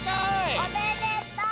おめでとう！